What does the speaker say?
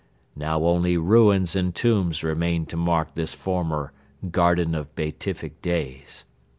Now only ruins and tombs remain to mark this former 'Garden of Beatific Days.